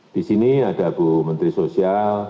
di sini ada bu menteri sosial